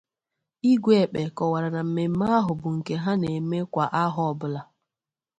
Igwe Ekpeh kọwara na mmemme ahụ bụ nke ha na-eme kwà ahọ ọbụla